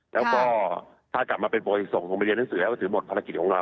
แล้วก็ถ้ากลับมาเป็นส่งผมไปเรียนหนังสือก็ถือหมดภารกิจของเรา